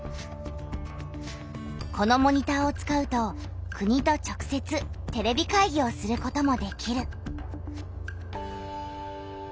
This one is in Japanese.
このモニターを使うと国と直せつテレビ会議をすることもできる。